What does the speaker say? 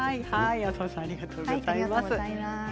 浅尾さんありがとうございました。